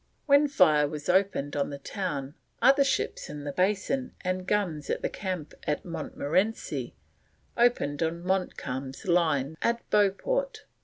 When fire was opened on the town other ships in the Basin and guns at the camp at Montmorenci opened on Montcalm's lines at Beauport.